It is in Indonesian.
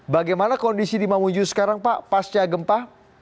bagaimana kondisi di mamuju sekarang pak pasca gempa